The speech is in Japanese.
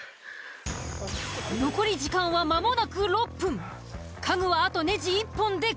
残り時間は間もなく６分。